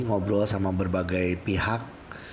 ngobrol sama berbagai pihak